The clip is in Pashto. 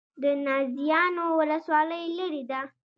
د نازیانو ولسوالۍ لیرې ده